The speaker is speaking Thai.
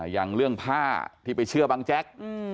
อย่างเรื่องผ้าที่ไปเชื่อบังแจ๊ก